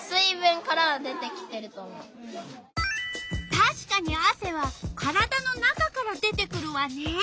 たしかにあせは体の中から出てくるわね。